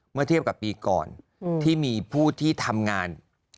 เมื่อเทียบกับปีก่อนที่มีผู้ที่ทำงาน